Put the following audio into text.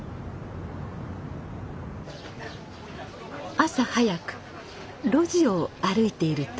朝早く路地を歩いていると。